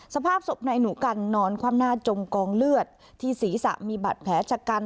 สภาพศพนายหนูกันนอนคว่ำหน้าจมกองเลือดที่ศีรษะมีบัตรแผลชะกัน